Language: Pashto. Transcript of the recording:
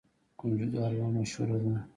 د کنجدو حلوه مشهوره ده.